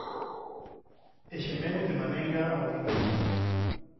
E xemeu de maneira audible—.